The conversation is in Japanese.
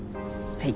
はい。